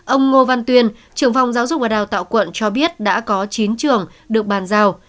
ông ngô văn tuyên trưởng phòng giáo dục và đào tạo quận cho biết đã có chín trường được bàn giao